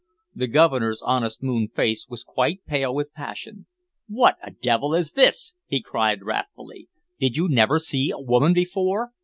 The Governor's honest moon face was quite pale with passion. "What a devil is this?" he cried wrathfully. "Did you never see a woman before?